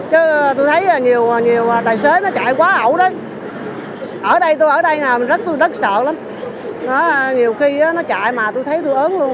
chứ tôi thấy là nhiều nhiều tài xế nó chạy quá ẩu đấy ở đây tôi ở đây nè tôi rất sợ lắm nhiều khi nó chạy mà tôi thấy tôi ớn luôn đó